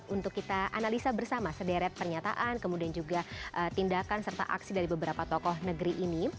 untuk kita analisa bersama sederet pernyataan kemudian juga tindakan serta aksi dari beberapa tokoh negeri ini